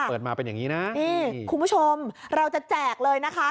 เปิดมาเป็นอย่างนี้นะนี่คุณผู้ชมเราจะแจกเลยนะคะ